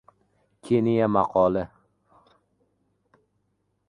Keniya maqoli